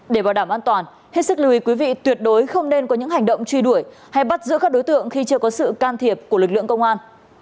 để bảo đảm an toàn hết sức lưu ý quý vị tuyệt đối không nên có những hành động truy đuổi hay bắt giữ các đối tượng khi chưa có sự can thiệp của lực lượng công an